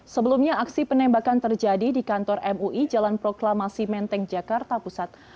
sebelumnya aksi penembakan terjadi di kantor mui jalan proklamasi menteng jakarta pusat